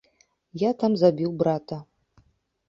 Я там забіў брата.